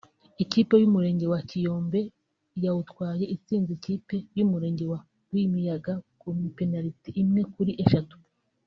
ikipe y’Umurenge wa Kiyombe yawutwaye itsinze ikipe y’Umurenge wa Rwimiyaga ku penaliti enye kuri eshatu